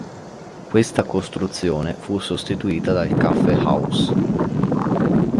Questa costruzione fu sostituita dal Caffehaus.